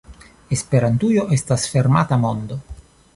Esperantujo estas fermata mondo.